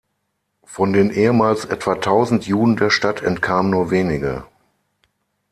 Von den ehemals etwa tausend Juden der Stadt entkamen nur wenige.